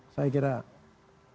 saya kira yang lain juga boleh